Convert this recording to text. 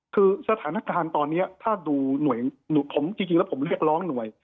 คือสถานการณ์ตอนนี้ถ้าดูหน่วยผมจริงแล้วผมเรียกร้องหน่วย